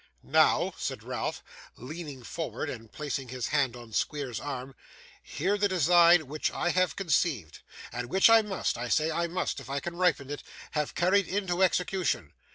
'Now,' said Ralph, leaning forward, and placing his hand on Squeers's arm, 'hear the design which I have conceived, and which I must I say, must, if I can ripen it have carried into execution.